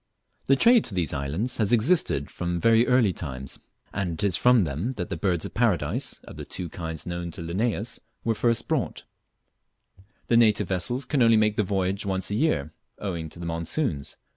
The trade to these islands has existed from very early times, and it is from them that Birds of Paradise, of the two kinds known to Linnaeus were first brought The native vessels can only make the voyage once a year, owing to the monsoons.